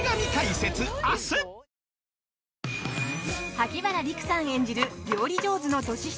萩原利久さん演じる料理上手の年下